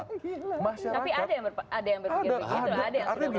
tapi ada yang berpikir begitu ada yang sudah melakukan dan ada yang survive